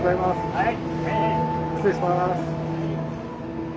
はい。